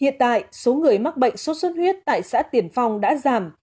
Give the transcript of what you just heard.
hiện tại số người mắc bệnh sốt xuất huyết tại xã tiền phong đã giảm